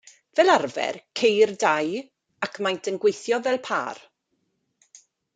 Fel arfer ceir dau, ac maent yn gweithio fel pâr.